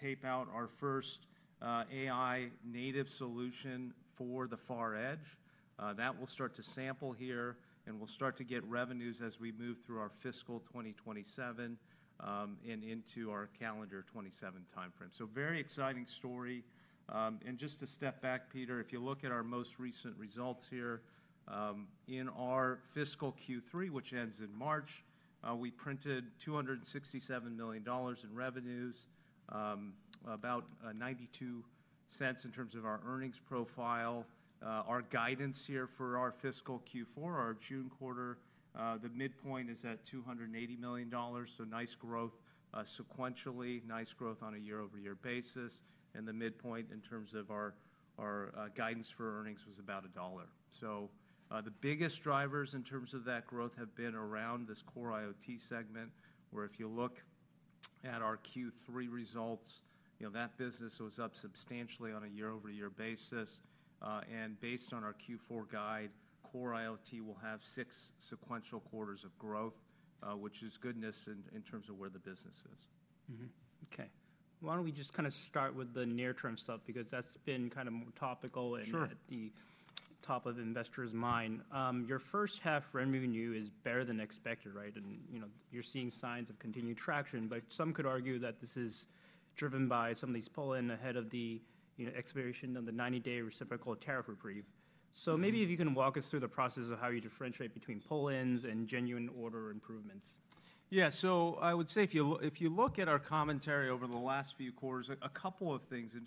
Tape out our first, AI-native solution for the far edge. That will start to sample here, and we'll start to get revenues as we move through our fiscal 2027, and into our calendar 2027 timeframe. Very exciting story. Just to step back, Peter, if you look at our most recent results here, in our fiscal Q3, which ends in March, we printed $267 million in revenues, about $0.92 in terms of our earnings profile. Our guidance here for our fiscal Q4, our June quarter, the midpoint is at $280 million. Nice growth, sequentially, nice growth on a year-over-year basis. The midpoint in terms of our guidance for earnings was about $1. The biggest drivers in terms of that growth have been around this Core IoT segment, where if you look at our Q3 results, you know, that business was up substantially on a year-over-year basis. And based on our Q4 guide, Core IoT will have six sequential quarters of growth, which is goodness in, in terms of where the business is. Mm-hmm. Okay. Why don't we just kind of start with the near-term stuff, because that's been kind of more topical. Sure. At the top of investors' mind, your first half revenue is better than expected, right? And, you know, you're seeing signs of continued traction, but some could argue that this is driven by some of these pull-ins ahead of the, you know, expiration of the 90-day reciprocal tariff reprieve. So, maybe if you can walk us through the process of how you differentiate between pull-ins and genuine order improvements. Yeah. I would say if you look at our commentary over the last few quarters, a couple of things, and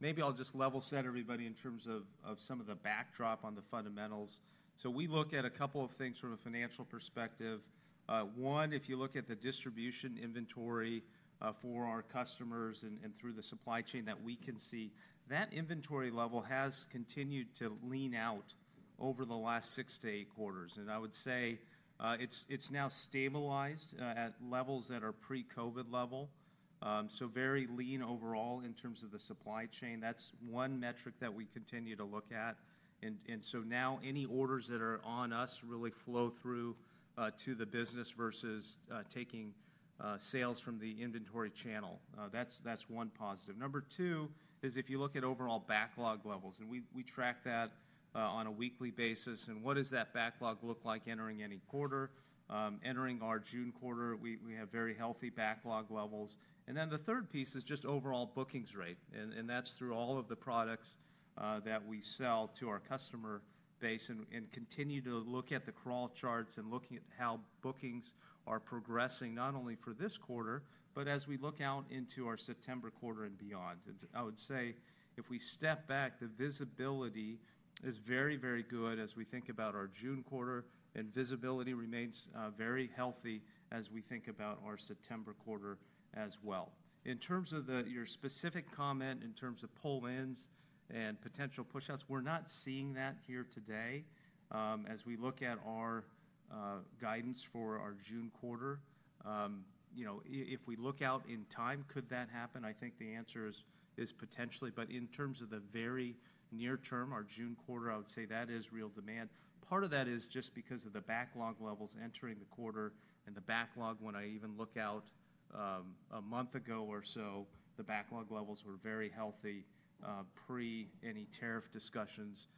maybe I'll just level set everybody in terms of some of the backdrop on the fundamentals. We look at a couple of things from a financial perspective. One, if you look at the distribution inventory for our customers and through the supply chain that we can see, that inventory level has continued to lean out over the last six to eight quarters. I would say it's now stabilized at levels that are pre-COVID level, so very lean overall in terms of the supply chain. That's one metric that we continue to look at. Now any orders that are on us really flow through to the business versus taking sales from the inventory channel. That's one positive. Number two is if you look at overall backlog levels, and we track that on a weekly basis. What does that backlog look like entering any quarter? Entering our June quarter, we have very healthy backlog levels. The third piece is just overall bookings rate, and that's through all of the products that we sell to our customer base and continue to look at the crawl charts and looking at how bookings are progressing, not only for this quarter, but as we look out into our September quarter and beyond. I would say if we step back, the visibility is very, very good as we think about our June quarter, and visibility remains very healthy as we think about our September quarter as well. In terms of your specific comment in terms of pull-ins and potential push-outs, we're not seeing that here today, as we look at our guidance for our June quarter. You know, if we look out in time, could that happen? I think the answer is potentially. In terms of the very near term, our June quarter, I would say that is real demand. Part of that is just because of the backlog levels entering the quarter. The backlog, when I even look out a month ago or so, the backlog levels were very healthy, pre any tariff discussions,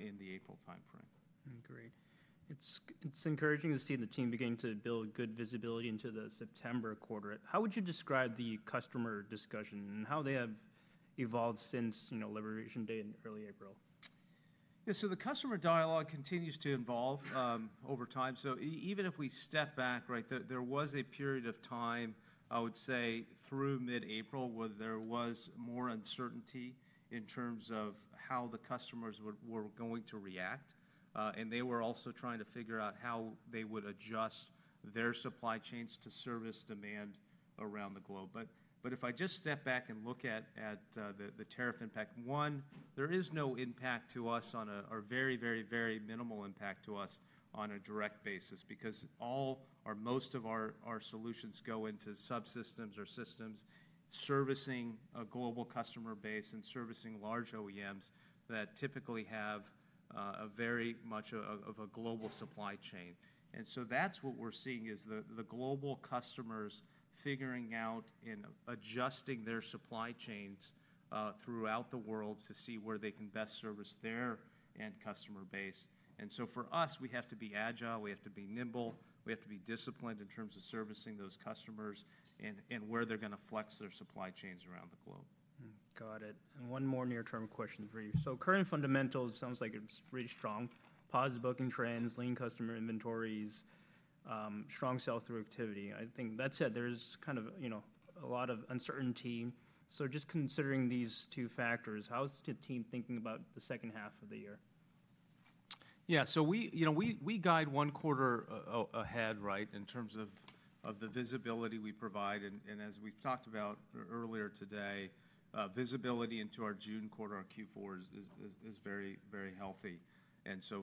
in the April timeframe. Great. It's encouraging to see the team beginning to build good visibility into the September quarter. How would you describe the customer discussion and how they have evolved since, you know, Liberation Day in early April? Yeah. The customer dialogue continues to evolve over time. Even if we step back, there was a period of time, I would say, through mid-April where there was more uncertainty in terms of how the customers were going to react. They were also trying to figure out how they would adjust their supply chains to service demand around the globe. If I just step back and look at the tariff impact, one, there is no impact to us, or very, very, very minimal impact to us on a direct basis, because all or most of our solutions go into subsystems or systems servicing a global customer base and servicing large OEMs that typically have a very much of a global supply chain. That's what we're seeing is the global customers figuring out and adjusting their supply chains throughout the world to see where they can best service their end customer base. For us, we have to be agile, we have to be nimble, we have to be disciplined in terms of servicing those customers and where they're gonna flex their supply chains around the globe. Got it. One more near-term question for you. Current fundamentals sound like it's pretty strong: positive booking trends, lean customer inventories, strong sell-through activity. I think that said, there's kind of, you know, a lot of uncertainty. Just considering these two factors, how's the team thinking about the second half of the year? Yeah. We guide one quarter ahead, right, in terms of the visibility we provide. As we talked about earlier today, visibility into our June quarter, our Q4, is very, very healthy.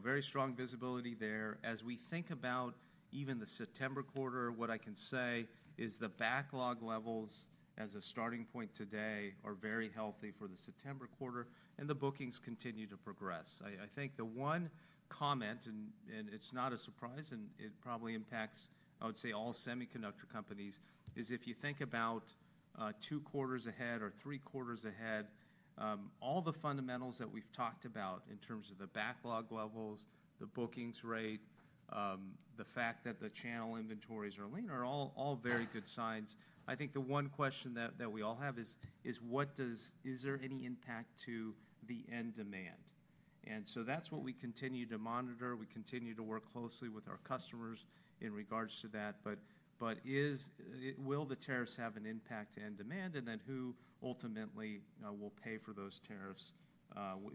Very strong visibility there. As we think about even the September quarter, what I can say is the backlog levels as a starting point today are very healthy for the September quarter, and the bookings continue to progress. I think the one comment, and it is not a surprise, and it probably impacts, I would say, all semiconductor companies, is if you think about two quarters ahead or three quarters ahead, all the fundamentals that we have talked about in terms of the backlog levels, the bookings rate, the fact that the channel inventories are lean are all very good signs. I think the one question that we all have is, is what does, is there any impact to the end demand? That's what we continue to monitor. We continue to work closely with our customers in regards to that. Will the tariffs have an impact to end demand? Who ultimately will pay for those tariffs?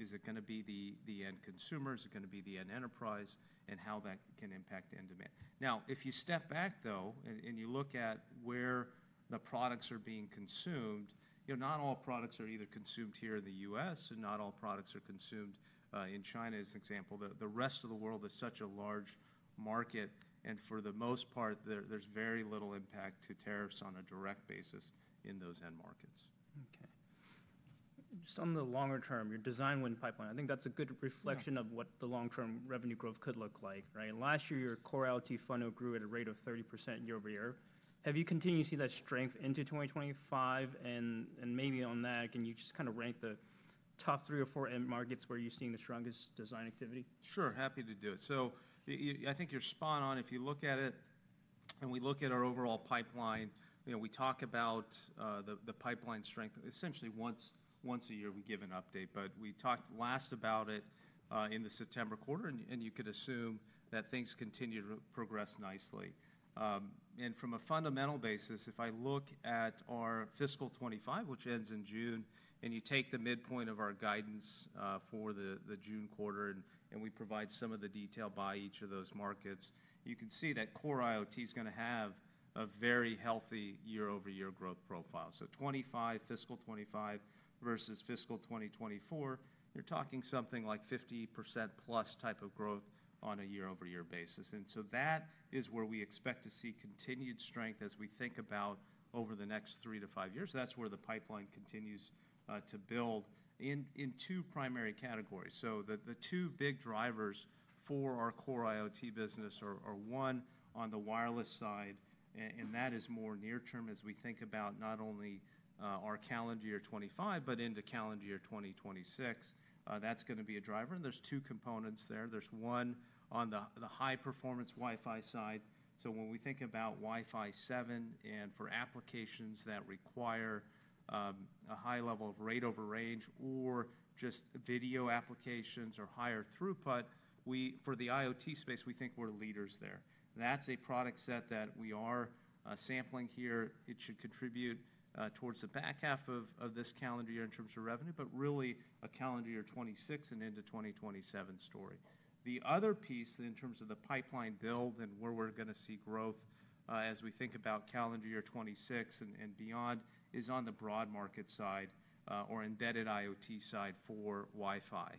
Is it gonna be the end consumer? Is it gonna be the end enterprise? How that can impact end demand? Now, if you step back, though, and you look at where the products are being consumed, you know, not all products are either consumed here in the U.S. and not all products are consumed in China, as an example. The rest of the world is such a large market. For the most part, there's very little impact to tariffs on a direct basis in those end markets. Okay. Just on the longer term, your design-win pipeline, I think that's a good reflection of what the long-term revenue growth could look like, right? Last year, your Core IoT fund grew at a rate of 30% year-over-year. Have you continued to see that strength into 2025? And maybe on that, can you just kind of rank the top three or four end markets where you're seeing the strongest design activity? Sure. Happy to do it. I think you're spot on. If you look at it and we look at our overall pipeline, you know, we talk about the pipeline strength. Essentially, once a year, we give an update. We talked last about it in the September quarter, and you could assume that things continue to progress nicely. From a fundamental basis, if I look at our fiscal 2025, which ends in June, and you take the midpoint of our guidance for the June quarter, and we provide some of the detail by each of those markets, you can see that Core IoT's gonna have a very healthy year-over-year growth profile. Fiscal 2025 versus fiscal 2024, you're talking something like 50%+ type of growth on a year-over-year basis. That is where we expect to see continued strength as we think about over the next three to five years. That's where the pipeline continues to build in two primary categories. The two big drivers for our Core IoT business are one on the wireless side, and that is more near-term as we think about not only our calendar year 2025, but into calendar year 2026. That's gonna be a driver. There are two components there. There's one on the high-performance Wi-Fi side. When we think about Wi-Fi 7 and for applications that require a high level of rate over range or just video applications or higher throughput, for the IoT space, we think we're leaders there. That's a product set that we are sampling here. It should contribute, towards the back half of this calendar year in terms of revenue, but really a calendar year 2026 and into 2027 story. The other piece in terms of the pipeline build and where we're gonna see growth, as we think about calendar year 2026 and beyond is on the broad market side, or embedded IoT side for Wi-Fi.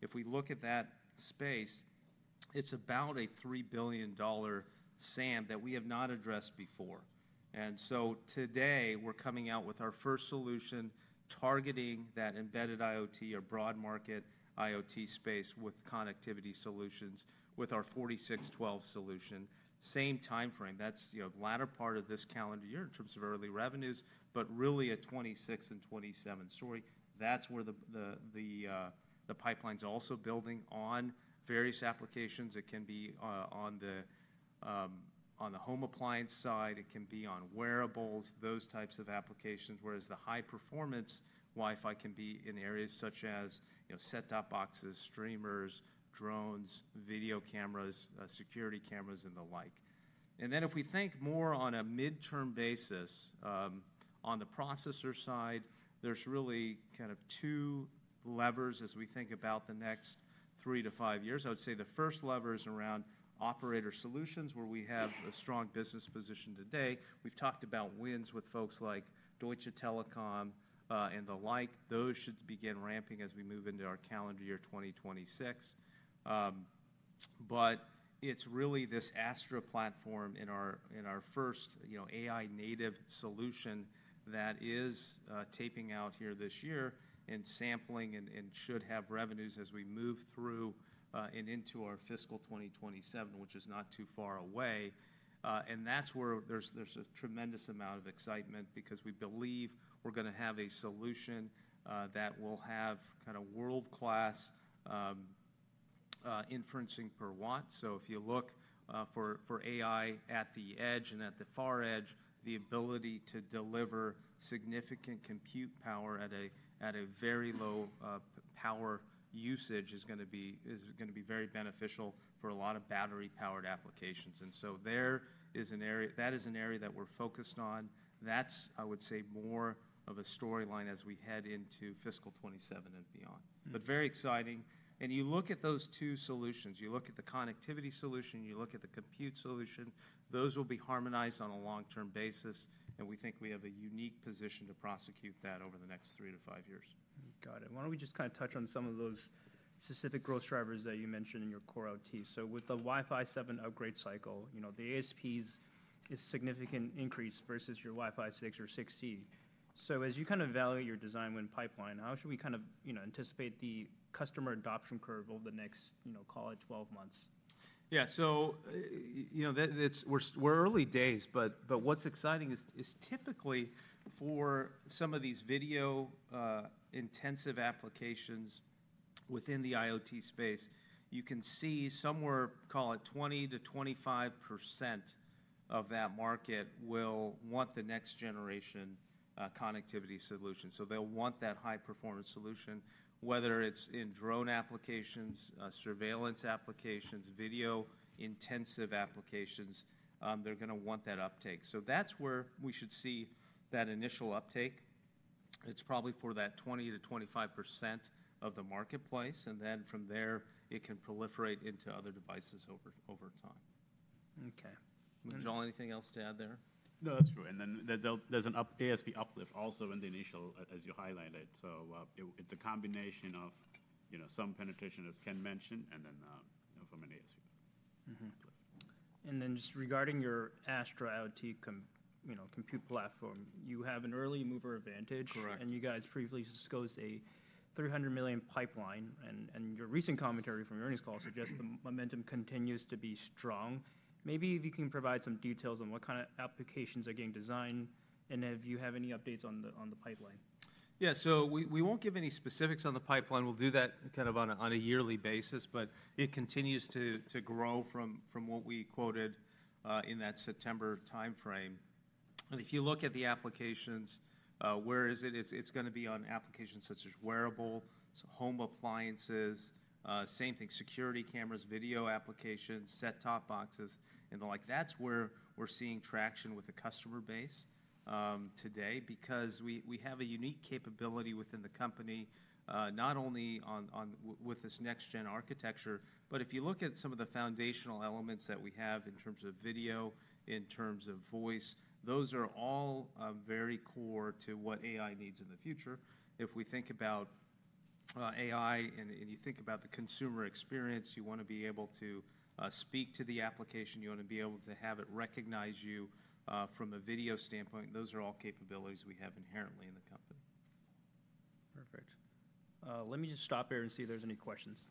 If we look at that space, it's about a $3 billion SAM that we have not addressed before. Today, we're coming out with our first solution targeting that embedded IoT or broad market IoT space with connectivity solutions with our SYN4612 solution. Same timeframe. That's, you know, latter part of this calendar year in terms of early revenues, but really a 2026 and 2027 story. That's where the pipeline's also building on various applications. It can be, on the home appliance side. It can be on wearables, those types of applications. Whereas the high-performance Wi-Fi can be in areas such as, you know, set-top boxes, streamers, drones, video cameras, security cameras, and the like. If we think more on a midterm basis, on the processor side, there's really kind of two levers as we think about the next three to five years. I would say the first lever is around operator solutions, where we have a strong business position today. We've talked about wins with folks like Deutsche Telekom, and the like. Those should begin ramping as we move into our calendar year 2026. but it's really this Astra platform in our, in our first, you know, AI-native solution that is taping out here this year and sampling and, and should have revenues as we move through, and into our fiscal 2027, which is not too far away. That is where there's, there's a tremendous amount of excitement because we believe we're gonna have a solution that will have kind of world-class, inferencing per watt. If you look, for, for AI at the edge and at the far edge, the ability to deliver significant compute power at a, at a very low, power usage is gonna be, is gonna be very beneficial for a lot of battery-powered applications. That is an area, that is an area that we're focused on. That's, I would say, more of a storyline as we head into fiscal 2027 and beyond. Very exciting. You look at those two solutions, you look at the connectivity solution, you look at the compute solution, those will be harmonized on a long-term basis. We think we have a unique position to prosecute that over the next three to five years. Got it. Why don't we just kind of touch on some of those specific growth drivers that you mentioned in your Core IoT? With the Wi-Fi 7 upgrade cycle, you know, the ASPs is significant increase versus your Wi-Fi 6 or Wi-Fi 6E. As you kind of evaluate your design-win pipeline, how should we kind of, you know, anticipate the customer adoption curve over the next, you know, call it 12 months? Yeah. So, you know, it's, we're early days, but what's exciting is, typically for some of these video-intensive applications within the IoT space, you can see somewhere, call it 20%-25% of that market will want the next-generation connectivity solution. They'll want that high-performance solution, whether it's in drone applications, surveillance applications, video-intensive applications, they're gonna want that uptake. That's where we should see that initial uptake. It's probably for that 20%-25% of the marketplace. From there, it can proliferate into other devices over time. Okay. Munjal, anything else to add there? No, that's true. There'll be an ASP uplift also in the initial, as you highlighted. It's a combination of, you know, some penetration as Ken mentioned, and then, from an ASP uplift. Just regarding your Astra IoT, you know, compute platform, you have an early mover advantage. Correct. You guys previously disclosed a $300 million pipeline. Your recent commentary from the earnings call suggests the momentum continues to be strong. Maybe if you can provide some details on what kind of applications are getting designed and if you have any updates on the pipeline. Yeah. We won't give any specifics on the pipeline. We'll do that kind of on a yearly basis, but it continues to grow from what we quoted in that September timeframe. If you look at the applications, where is it? It's gonna be on applications such as wearables, home appliances, same thing, security cameras, video applications, set-top boxes, and the like. That's where we're seeing traction with the customer base today, because we have a unique capability within the company, not only with this next-gen architecture, but if you look at some of the foundational elements that we have in terms of video, in terms of voice, those are all very core to what AI needs in the future. If we think about AI and you think about the consumer experience, you wanna be able to speak to the application, you wanna be able to have it recognize you from a video standpoint. Those are all capabilities we have inherently in the company. Perfect. Let me just stop here and see if there's any questions.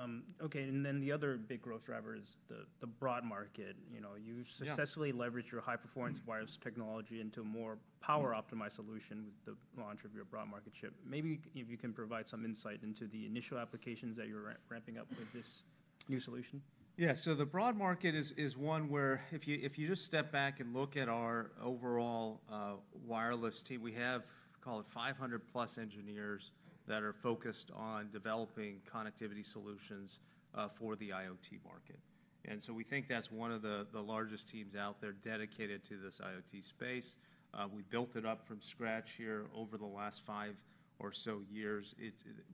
Okay. Okay. And then the other big growth driver is the broad market. You know, you successfully leveraged your high-performance wireless technology into a more power-optimized solution with the launch of your broad market chip. Maybe if you can provide some insight into the initial applications that you're ramping up with this new solution. Yeah. The broad market is one where if you just step back and look at our overall wireless team, we have, call it 500-plus engineers that are focused on developing connectivity solutions for the IoT market. We think that's one of the largest teams out there dedicated to this IoT space. We built it up from scratch here over the last five or so years.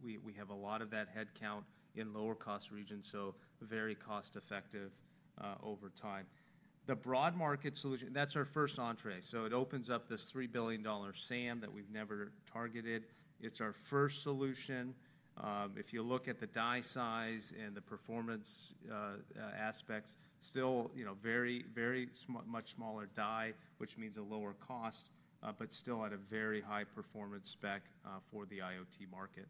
We have a lot of that headcount in lower-cost regions, so very cost-effective over time. The broad market solution, that's our first entree. It opens up this $3 billion SAM that we've never targeted. It's our first solution. If you look at the die size and the performance aspects, still, you know, very much smaller die, which means a lower cost, but still at a very high performance spec for the IoT market.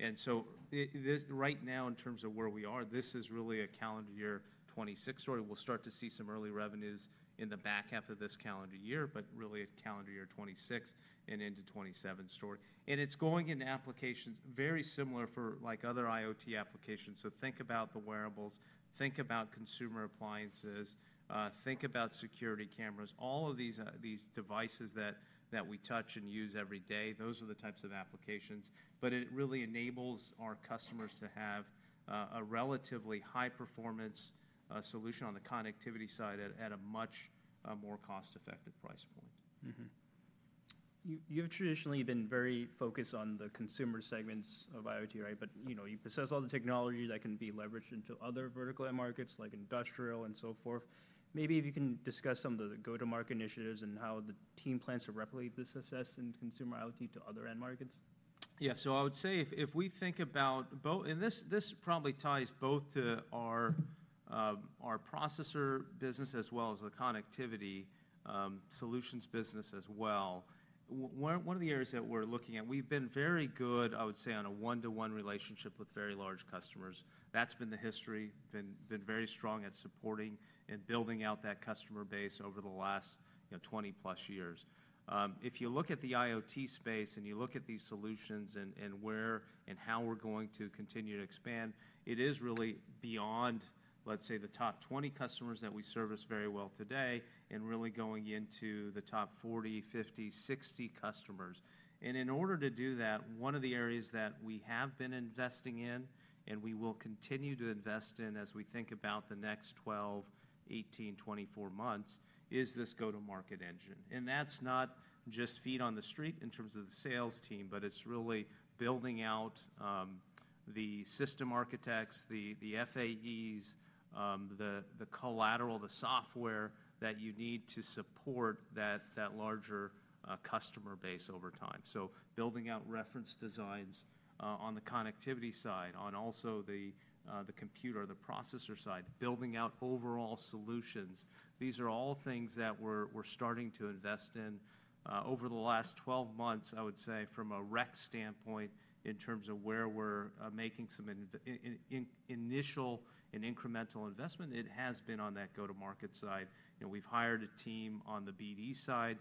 This right now, in terms of where we are, this is really a calendar year 2026 story. We'll start to see some early revenues in the back half of this calendar year, but really a calendar year 2026 and into 2027 story. It is going in applications very similar for, like, other IoT applications. Think about the wearables, think about consumer appliances, think about security cameras, all of these devices that we touch and use every day. Those are the types of applications. It really enables our customers to have a relatively high-performance solution on the connectivity side at a much more cost-effective price point. Mm-hmm. You have traditionally been very focused on the consumer segments of IoT, right? But, you know, you possess all the technology that can be leveraged into other vertical end markets, like industrial and so forth. Maybe if you can discuss some of the go-to-market initiatives and how the team plans to replicate this success in consumer IoT to other end markets. Yeah. I would say if we think about both, and this probably ties both to our processor business as well as the connectivity solutions business as well. One of the areas that we're looking at, we've been very good, I would say, on a one-to-one relationship with very large customers. That's been the history, been very strong at supporting and building out that customer base over the last, you know, 20+ years. If you look at the IoT space and you look at these solutions and where and how we're going to continue to expand, it is really beyond, let's say, the top 20 customers that we service very well today and really going into the top 40, 50, 60 customers. In order to do that, one of the areas that we have been investing in and we will continue to invest in as we think about the next 12, 18, 24 months is this go-to-market engine. That is not just feet on the street in terms of the sales team, but it is really building out the system architects, the FAEs, the collateral, the software that you need to support that larger customer base over time. Building out reference designs on the connectivity side, on also the computer, the processor side, building out overall solutions. These are all things that we are starting to invest in over the last 12 months, I would say, from a rec standpoint in terms of where we are making some initial and incremental investment. It has been on that go-to-market side. You know, we've hired a team on the BD side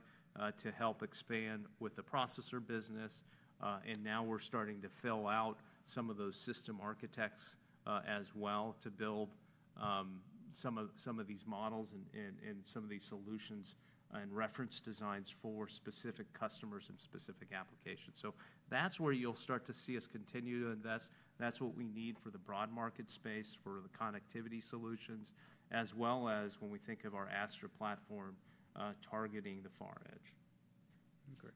to help expand with the processor business, and now we're starting to fill out some of those system architects as well to build some of these models and some of these solutions and reference designs for specific customers and specific applications. That's where you'll start to see us continue to invest. That's what we need for the broad market space for the connectivity solutions, as well as when we think of our Astra platform, targeting the far edge. Great.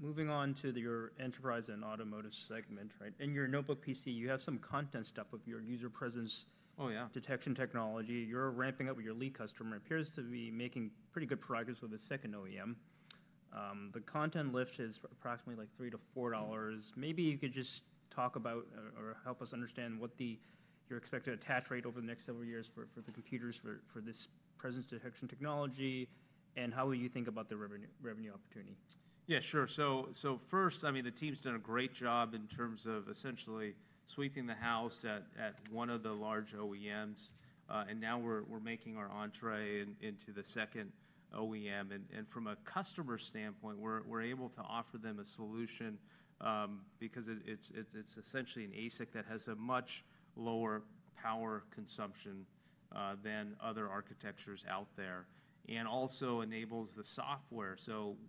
Moving on to your enterprise and automotive segment, right? In your notebook PC, you have some content stuff of your user presence. Oh yeah. Detection technology. You're ramping up with your lead customer. Appears to be making pretty good progress with the second OEM. The content lift is approximately like $3 to $4. Maybe you could just talk about or help us understand what the, your expected attach rate over the next several years for, for the computers, for, for this presence detection technology and how you think about the revenue, revenue opportunity. Yeah, sure. First, I mean, the team's done a great job in terms of essentially sweeping the house at one of the large OEMs, and now we're making our entree into the second OEM. From a customer standpoint, we're able to offer them a solution, because it's essentially an ASIC that has a much lower power consumption than other architectures out there and also enables the software.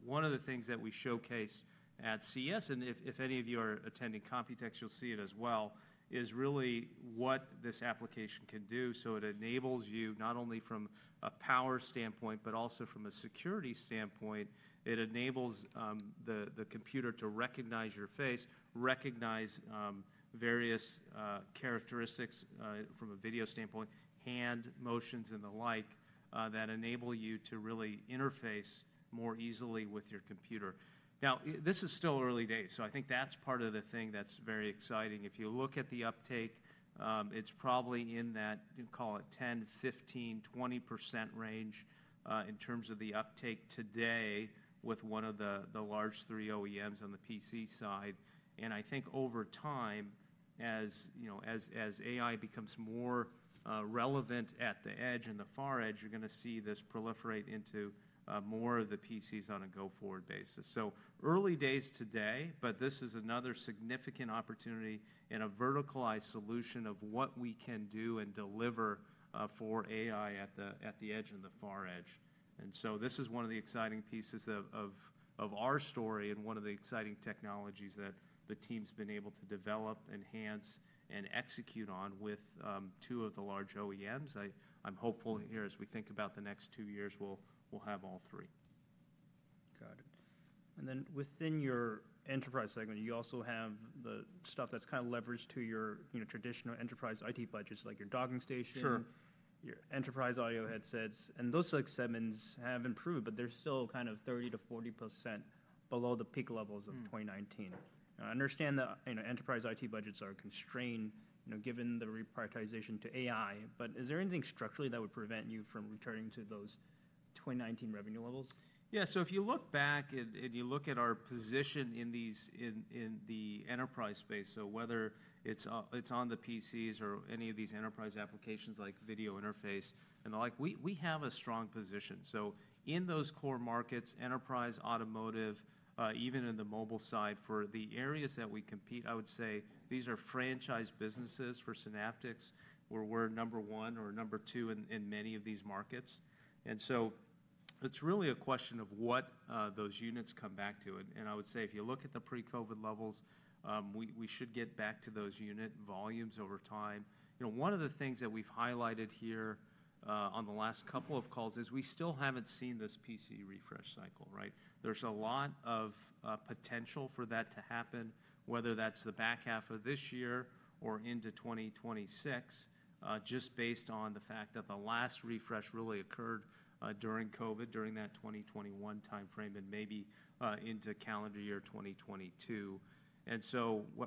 One of the things that we showcased at CES, and if any of you are attending COMPUTEX, you'll see it as well, is really what this application can do. It enables you not only from a power standpoint, but also from a security standpoint. It enables the computer to recognize your face, recognize various characteristics from a video standpoint, hand motions and the like, that enable you to really interface more easily with your computer. Now, this is still early days. I think that's part of the thing that's very exciting. If you look at the uptake, it's probably in that, you call it 10%- 15%-20% range, in terms of the uptake today with one of the large three OEMs on the PC side. I think over time, as, you know, as AI becomes more relevant at the edge and the far edge, you're gonna see this proliferate into more of the PCs on a go-forward basis. Early days today, but this is another significant opportunity in a verticalized solution of what we can do and deliver, for AI at the edge and the far edge. This is one of the exciting pieces of our story and one of the exciting technologies that the team's been able to develop, enhance, and execute on with two of the large OEMs. I'm hopeful here as we think about the next two years, we'll have all three. Got it. Within your enterprise segment, you also have the stuff that's kind of leveraged to your, you know, traditional enterprise IT budgets, like your docking station. Sure. Your enterprise audio headsets. Those segments have improved, but they're still kind of 30%-40% below the peak levels of 2019. I understand that, you know, enterprise IT budgets are constrained, you know, given the reprioritization to AI, but is there anything structurally that would prevent you from returning to those 2019 revenue levels? Yeah. If you look back and you look at our position in these, in the enterprise space, whether it's on the PCs or any of these enterprise applications like video interface and the like, we have a strong position. In those core markets, enterprise, automotive, even in the mobile side, for the areas that we compete, I would say these are franchise businesses for Synaptics where we're number one or number two in many of these markets. It's really a question of what those units come back to. I would say if you look at the pre-COVID levels, we should get back to those unit volumes over time. You know, one of the things that we've highlighted here on the last couple of calls is we still haven't seen this PC refresh cycle, right? There's a lot of potential for that to happen, whether that's the back half of this year or into 2026, just based on the fact that the last refresh really occurred during COVID, during that 2021 timeframe and maybe into calendar year 2022.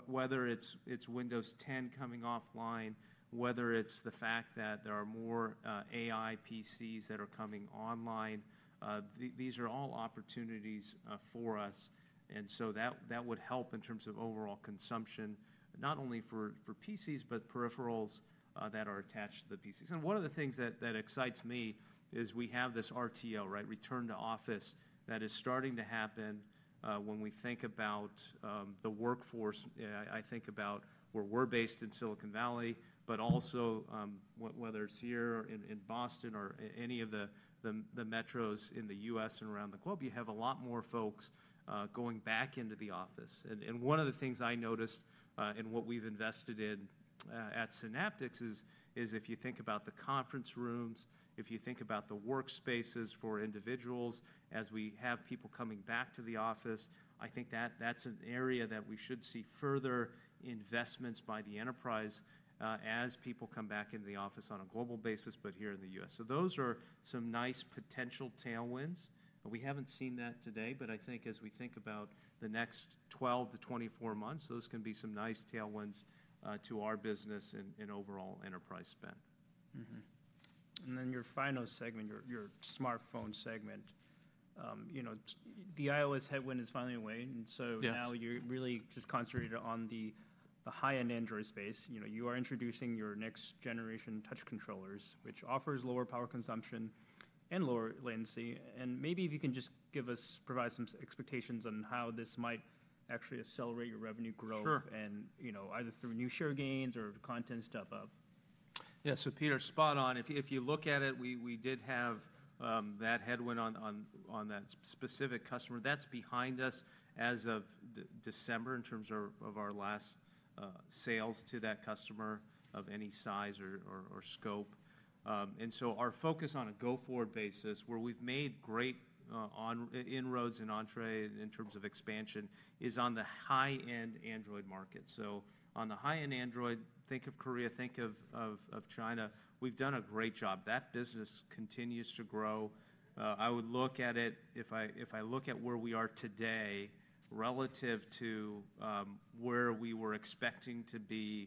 Whether it's Windows 10 coming offline, whether it's the fact that there are more AI PCs that are coming online, these are all opportunities for us. That would help in terms of overall consumption, not only for PCs, but peripherals that are attached to the PCs. One of the things that excites me is we have this RTO, right? Return to Office that is starting to happen when we think about the workforce. I think about where we're based in Silicon Valley, but also, whether it's here in Boston or any of the metros in the U.S. and around the globe, you have a lot more folks going back into the office. One of the things I noticed in what we've invested in at Synaptics is, if you think about the conference rooms, if you think about the workspaces for individuals, as we have people coming back to the office, I think that that's an area that we should see further investments by the enterprise, as people come back into the office on a global basis, but here in the U.S. Those are some nice potential tailwinds. We haven't seen that today, but I think as we think about the next 12 to 24 months, those can be some nice tailwinds to our business and overall enterprise spend. Mm-hmm. Then your final segment, your smartphone segment, you know, the iOS headwind is finally away. And so. Yes. Now you're really just concentrated on the high-end Android space. You know, you are introducing your next-generation touch controllers, which offers lower power consumption and lower latency. Maybe if you can just give us, provide some expectations on how this might actually accelerate your revenue growth. Sure. You know, either through new share gains or content stuff up. Yeah. Peter, spot on. If you look at it, we did have that headwind on that specific customer. That's behind us as of December in terms of our last sales to that customer of any size or scope. Our focus on a go-forward basis, where we've made great inroads and entree in terms of expansion, is on the high-end Android market. On the high-end Android, think of Korea, think of China. We've done a great job. That business continues to grow. If I look at where we are today relative to where we were expecting to be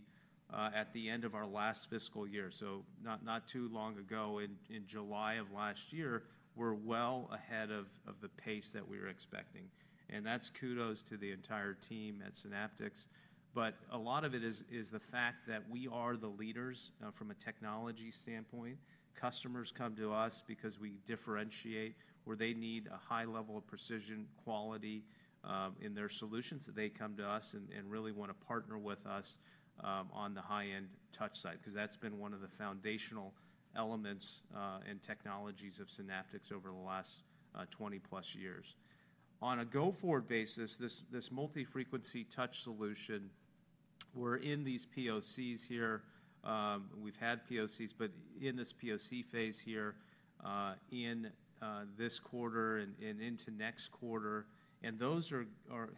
at the end of our last fiscal year, not too long ago in July of last year, we're well ahead of the pace that we were expecting. That's kudos to the entire team at Synaptics. A lot of it is the fact that we are the leaders from a technology standpoint. Customers come to us because we differentiate where they need a high level of precision and quality in their solutions. They come to us and really wanna partner with us on the high-end touch side 'cause that's been one of the foundational elements and technologies of Synaptics over the last 20+ years. On a go-forward basis, this multi-frequency touch solution, we're in these POCs here. We've had POCs, but in this POC phase here, in this quarter and into next quarter. Those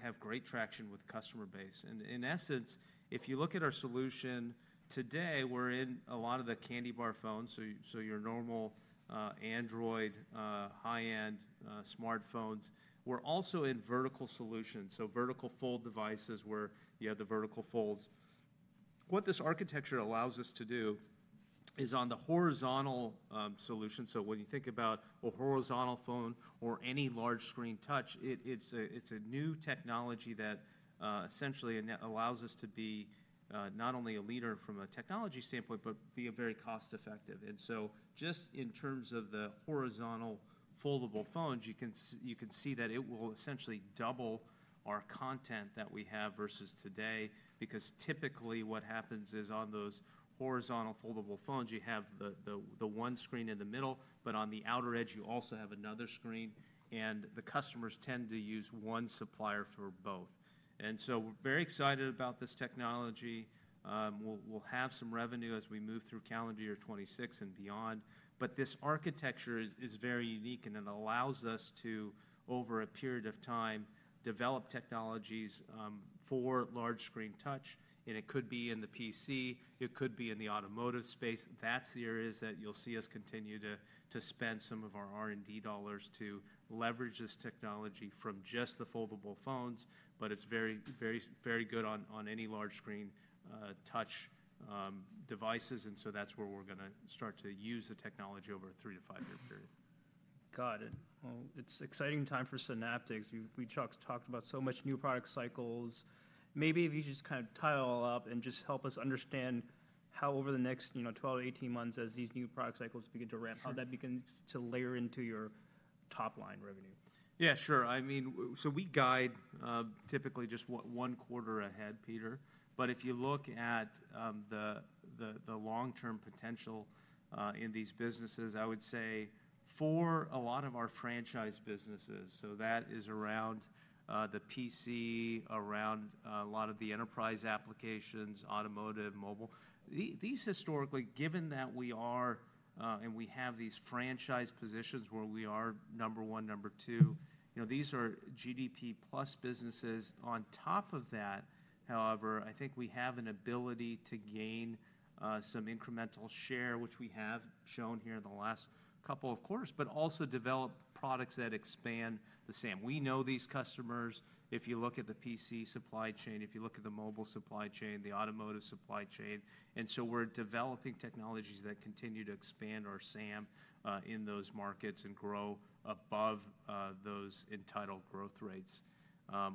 have great traction with the customer base. In essence, if you look at our solution today, we're in a lot of the candy bar phones, your normal Android high-end smartphones. We're also in vertical solutions. Vertical fold devices where you have the vertical folds. What this architecture allows us to do is on the horizontal solution. When you think about a horizontal phone or any large screen touch, it's a new technology that essentially allows us to be not only a leader from a technology standpoint, but be very cost-effective. Just in terms of the horizontal foldable phones, you can see that it will essentially double our content that we have versus today because typically what happens is on those horizontal foldable phones, you have the one screen in the middle, but on the outer edge, you also have another screen. The customers tend to use one supplier for both. We're very excited about this technology. We'll have some revenue as we move through calendar year 2026 and beyond. This architecture is very unique and it allows us to, over a period of time, develop technologies for large screen touch. It could be in the PC, it could be in the automotive space. Those are the areas that you'll see us continue to spend some of our R&D dollars to leverage this technology from just the foldable phones, but it's very, very good on any large screen touch devices. That's where we're gonna start to use the technology over a three- to five-year period. Got it. It's an exciting time for Synaptics. We talked about so much new product cycles. Maybe if you just kind of tie it all up and just help us understand how over the next, you know, 12, 18 months, as these new product cycles begin to ramp, how that begins to layer into your top line revenue. Yeah, sure. I mean, we guide typically just what, one quarter ahead, Peter. If you look at the long-term potential in these businesses, I would say for a lot of our franchise businesses, that is around the PC, around a lot of the enterprise applications, automotive, mobile, these historically, given that we are, and we have these franchise positions where we are number one, number two, you know, these are GDP plus businesses. On top of that, however, I think we have an ability to gain some incremental share, which we have shown here in the last couple of quarters, but also develop products that expand the SAM. We know these customers. If you look at the PC supply chain, if you look at the mobile supply chain, the automotive supply chain. We're developing technologies that continue to expand our SAM in those markets and grow above those entitled growth rates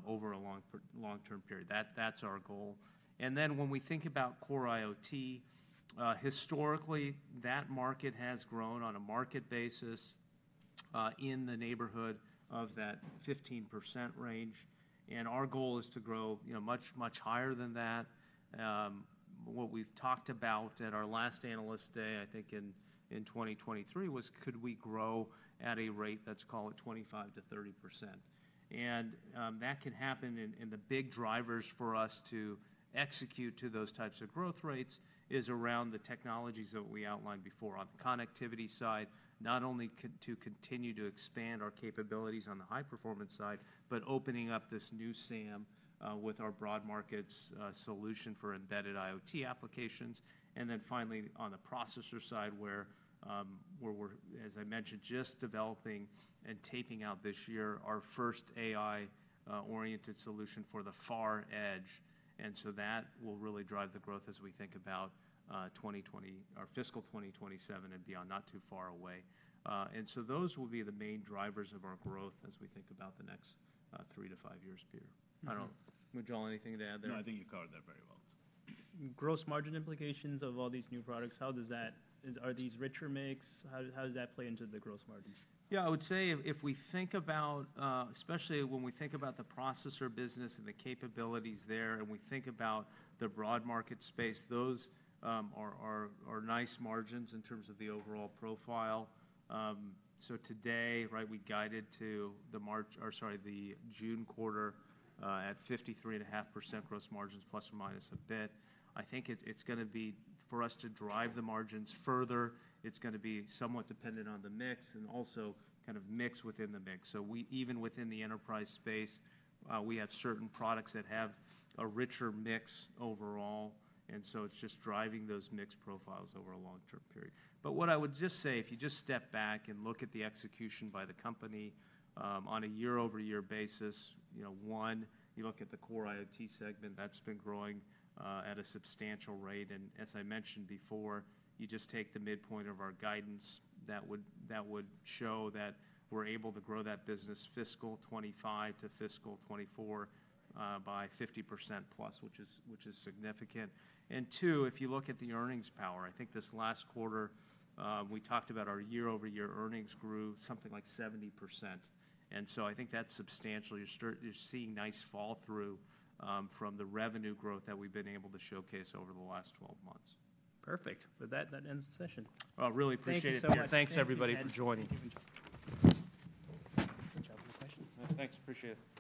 over a long, long-term period. That is our goal. When we think about Core IoT, historically, that market has grown on a market basis in the neighborhood of that 15% range. Our goal is to grow, you know, much, much higher than that. What we've talked about at our last analyst day, I think in 2023, was could we grow at a rate that is, call it, 25%-30%. That can happen, and the big drivers for us to execute to those types of growth rates is around the technologies that we outlined before on the connectivity side, not only to continue to expand our capabilities on the high-performance side, but opening up this new SAM with our broad markets solution for embedded IoT applications. Finally, on the processor side, where we're, as I mentioned, just developing and taping out this year our first AI-oriented solution for the far edge. That will really drive the growth as we think about 2020, our fiscal 2027 and beyond, not too far away. Those will be the main drivers of our growth as we think about the next three to five years, Peter. I don't know. Mm-hmm. Munjal, anything to add there? No, I think you covered that very well. Gross margin implications of all these new products, how does that, are these richer makes? How does that play into the gross margins? Yeah, I would say if we think about, especially when we think about the processor business and the capabilities there and we think about the broad market space, those are nice margins in terms of the overall profile. Today, right, we guided to the June quarter at 53.5% gross margins plus or minus a bit. I think it's gonna be for us to drive the margins further. It's gonna be somewhat dependent on the mix and also kind of mix within the mix. We, even within the enterprise space, have certain products that have a richer mix overall. It's just driving those mix profiles over a long-term period. What I would just say, if you just step back and look at the execution by the company, on a year-over-year basis, you know, one, you look at the Core IoT segment, that's been growing at a substantial rate. As I mentioned before, you just take the midpoint of our guidance, that would show that we're able to grow that business fiscal 2025 to fiscal 2024 by 50%+, which is significant. Two, if you look at the earnings power, I think this last quarter, we talked about our year-over-year earnings grew something like 70%. I think that's substantial. You're seeing nice fall through from the revenue growth that we've been able to showcase over the last 12 months. Perfect. With that, that ends the session. I really appreciate it. Thank you so much. Yeah, thanks everybody for joining. Good job. No questions. Thanks. Appreciate it.